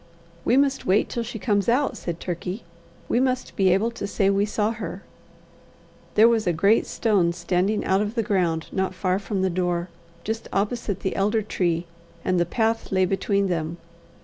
"We must wait till she comes out," said Turkey. "We must be able to say we saw her." There was a great stone standing out of the ground not far from the door, just opposite the elder tree, and the path lay between them.